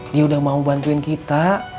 dia udah mau bantuin kita